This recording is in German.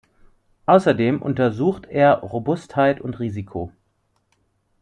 Außerdem untersucht er Robustheit und Risiko.